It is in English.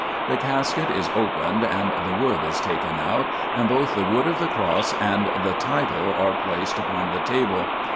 The casket is opened and (the wood) is taken out, and both the wood of the Cross and the title 1 are placed upon the table.